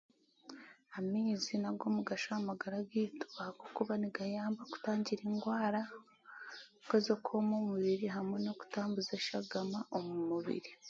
Amaizi n'ag'omugasho aha mubiri gwaitu ahabwokuba nigayamba kutangira endwara nk'ezokwomya omubiri n'ezokutambuza eshagama omu mubiri